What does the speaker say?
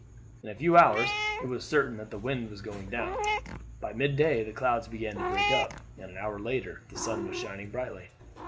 In a few hours it was certain that the wind was going down. By midday the clouds began to break up, and an hour later the sun was shining brightly.